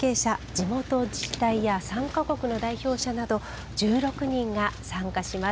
地元自治体や参加国の代表者など１６人が参加します。